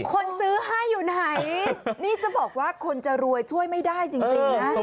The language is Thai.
คนซื้อให้อยู่ไหนนี่จะบอกว่าคนจะรวยช่วยไม่ได้จริงนะ